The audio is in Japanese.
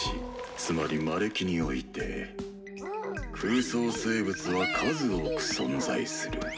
つまり魔歴において空想生物は数多く存在する。